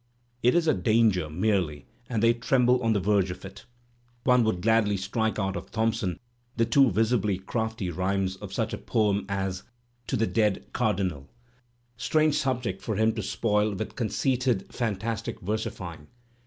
It is a danger merely and they tremble on the verge of it. One would gladly strike out of Thompson the too visibly crafty rhymes Digitized by Google LANIER 317 of such a poem as "To the Dead Cardinar* (strange subject for him to spoil with conceited fantastic versifying!)